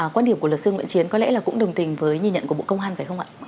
quan điểm của luật sư nguyễn chiến có lẽ là cũng đồng tình với nhìn nhận của bộ công an phải không ạ